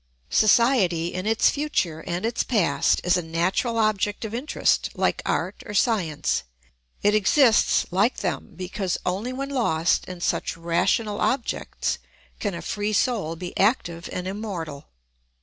Society, in its future and its past, is a natural object of interest like art or science; it exists, like them, because only when lost in such rational objects can a free soul be active and immortal.